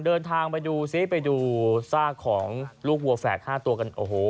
เดินทางไปดูซิไปดูรูปวัวแฝดห้าตัวกันโอ้โห